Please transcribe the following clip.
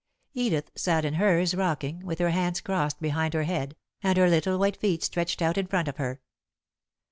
Edith sat in hers, rocking, with her hands crossed behind her head, and her little white feet stretched out in front of her.